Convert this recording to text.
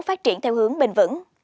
phát triển theo hướng bình vẩn